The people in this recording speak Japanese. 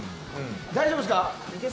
大丈夫ですか。